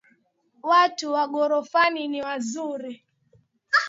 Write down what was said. Watu wa ghorofani ni wazuri